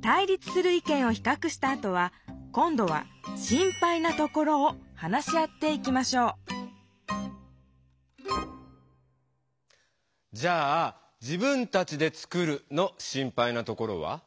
対立する意見をひかくしたあとは今どは「心配なところ」を話し合っていきましょうじゃあ「自分たちで作る」の「心配なところ」は？